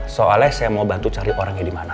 soalnya saya mau bantu cari orangnya dimana